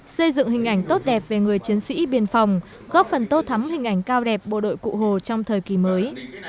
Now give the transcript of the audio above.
xây dựng hình ảnh tốt đẹp về người chiến sĩ biên phòng góp phần tô thắm hình ảnh cao đẹp bộ đội cụ hồ trong thời kỳ mới